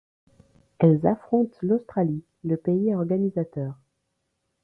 Elles affrontent l’Australie, le pays organisateur.